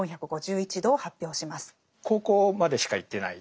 高校までしか行ってない。